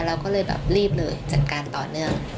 เราก็เลยแบบรีบเลยจัดการต่อเนื่อง